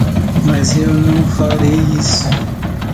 Mas eu não farei isso.